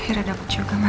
akhirnya dapet juga mah